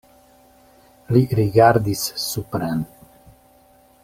Li rigardis supren.